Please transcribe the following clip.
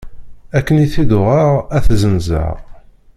Akken i t-id-uɣeɣ, ad t-zzenzeɣ.